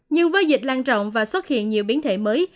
nhưng với dịch lan trọng và xuất hiện nhiều biến thể mới